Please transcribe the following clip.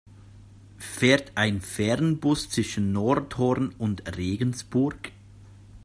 Fährt ein Fernbus zwischen Nordhorn und Regensburg?